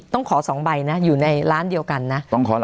ต้องขอ๒ใบนะอยู่ในร้านเดียวกันนะ